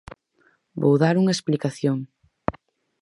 Vou dar unha explicación.